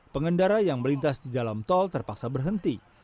pengendara yang melintas di dalam tol terpaksa berhenti